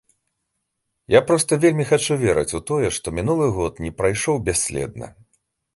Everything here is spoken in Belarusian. Я проста вельмі хачу верыць у тое, што мінулы год не прайшоў бясследна.